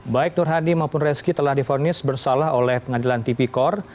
baik nur hadi maupun reski telah difonis bersalah oleh pengadilan tipikor